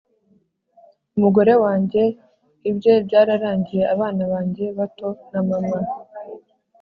Umugore Wange Ibye Byararangiye Abana Bange Bato Na Mama